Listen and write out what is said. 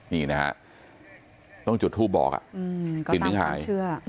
นี่นะฮะต้องจุดทูบบอกอ่ะกลิ่นนึงหาย